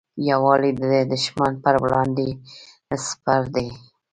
یووالی د دښمن پر وړاندې سپر دی.